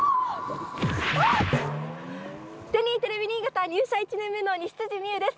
テレビ新潟、入社１年目の西辻みうです。